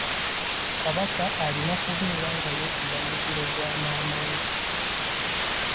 Kabaka alina kubeera nga yeddira muziro gwa maama we.